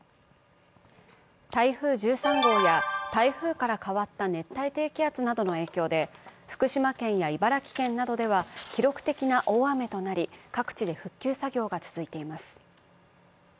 台風１３号や台風から変わった熱帯低気圧などの影響で福島県や茨城県などでは記録的な大雨となり、各地で復旧作業が続いています。